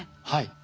はい。